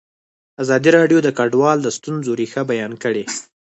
ازادي راډیو د کډوال د ستونزو رېښه بیان کړې.